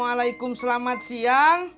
assalamualaikum selamat siang